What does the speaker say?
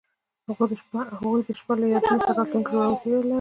هغوی د شپه له یادونو سره راتلونکی جوړولو هیله لرله.